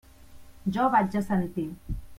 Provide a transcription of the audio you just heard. Jo vaig assentir.